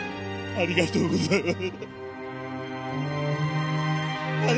ありがとうございます。